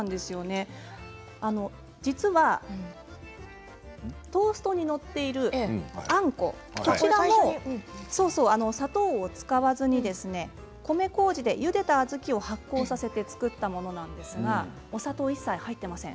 実はトーストに載っているあんこ砂糖を使わずに米こうじでゆでた小豆を発酵させて作ったものなんですが、お砂糖は一切入っていません。